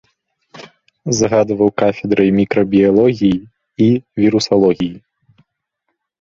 Загадваў кафедрай мікрабіялогіі і вірусалогіі.